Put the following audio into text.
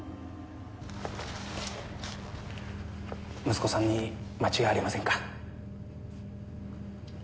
息子さんに間違いありませんか？